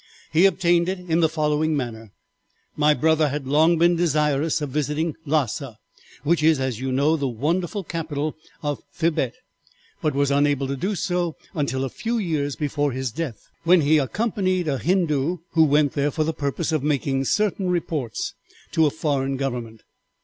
He obtained it in the following manner: My brother had long been desirous of visiting Lassa, which is, as you know, the wonderful capital of Thibet, but was unable to do so until a few years before his death, when he accompanied a Hindoo who went there for the purpose of making certain reports to a foreign government.